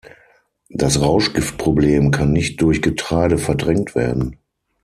Das Rauschgiftproblem kann nicht durch Getreide verdrängt werden.